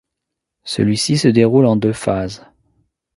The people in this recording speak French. Celui-ci se déroule en deux phases.